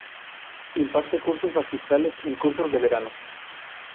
Imparte cursos magistrales en Cursos de Verano.